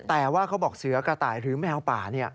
แต่ว่าเขาบอกเสือกระต่ายหรือแมวป่า